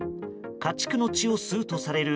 家畜の血を吸うとされる